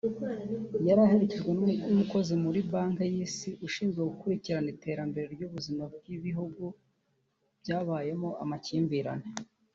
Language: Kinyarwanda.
yari aherekejwe n’umukozi muri banki y’Isi ushinzwe gukurikirana iterambere n’ubuzima ry’ibihugu byabayemo amakimbirane